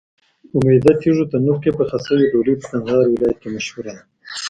په میده تېږو تنور کې پخه شوې ډوډۍ په کندهار ولایت کې مشهوره ده.